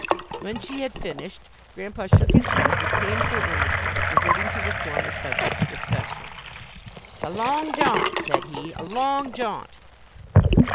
When she had finished, Grandpa shook his head with painful earnestness, reverting to the former subject of discussion. "It's a long jaunt!" said he; "a long jaunt!"